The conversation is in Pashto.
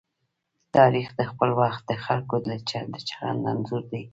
تاریخ د خپل وخت د خلکو د چلند انځور دی.